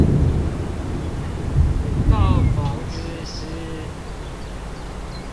武道狂之詩